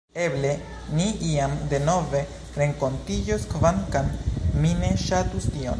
Eble ni iam denove renkontiĝos, kvankam mi ne ŝatus tion.